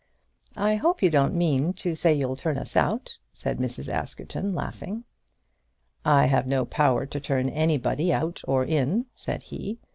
"I hope you don't mean to say you'll turn us out," said Mrs. Askerton, laughing. "I have no power to turn anybody out or in," said he.